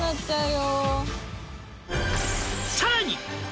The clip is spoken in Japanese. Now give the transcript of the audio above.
「さらに！